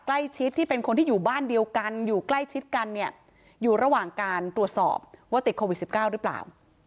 ที่เป็นคนที่อยู่บ้านเดียวกันอยู่ใกล้ชิดกันเนี่ยอยู่ระหว่างการตรวจสอบว่าติดโควิด๑๙หรือเปล่า